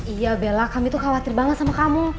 iya bella kami tuh khawatir banget sama kamu